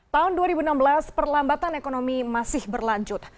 tahun dua ribu enam belas perlambatan ekonomi masih berlanjut